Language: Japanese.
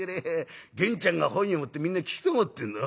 源ちゃんが本読むってみんな聞きたがってんだ。